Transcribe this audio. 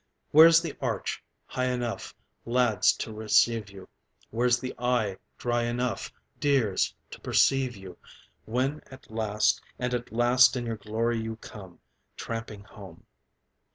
Where's the Arch high enough, Lads, to receive you, Where's the eye dry enough, Dears, to perceive you, When at last and at last in your glory you come, Tramping home?